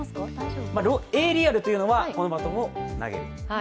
エーリアルというのは、このバトンを投げる。